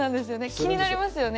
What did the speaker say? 気になりますよね。